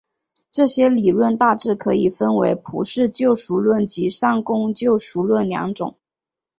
这些理论大致可以分为普世救赎论及善功救赎论两种。